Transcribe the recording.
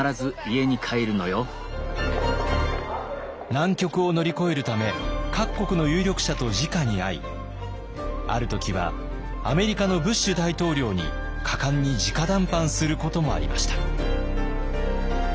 難局を乗り越えるため各国の有力者とじかに会いある時はアメリカのブッシュ大統領に果敢にじか談判することもありました。